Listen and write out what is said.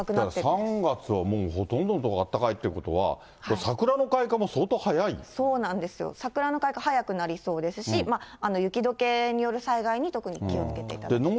だから、３月はもうほとんどの所があったかいってことは、これ、そうなんですよ、桜の開花、早くなりそうですし、雪どけによる災害に、特に気をつけていただきたいですね。